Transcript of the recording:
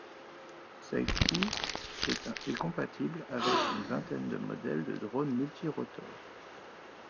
Safe-T est compatible avec une vingtaine de modèles de drones multirotors.